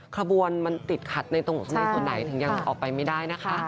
กระบวนมันติดขัดในตรงสุดในส่วนไหนถึงยังออกไปไม่ได้นะคะ